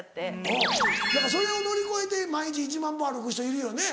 おうだからそれを乗り越えて毎日１万歩歩く人いるよね